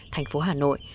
thành phố hà nội